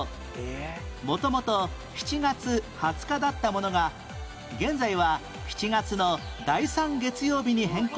元々７月２０日だったものが現在は７月の第３月曜日に変更された